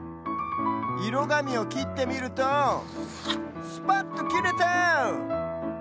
いろがみをきってみるとスパッときれた！